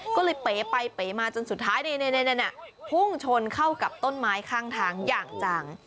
ก็เลยเป๋ไปเป๋มาจนสุดท้ายพุ่งชนเข้ากับต้นไม้ข้างทางอย่างจัง